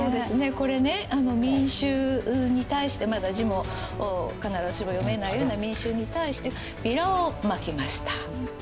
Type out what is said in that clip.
これね民衆に対してまだ字も必ずしも読めないような民衆に対してビラをまきました。